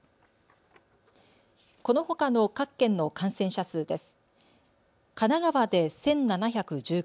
このほかの各県の感染者数です。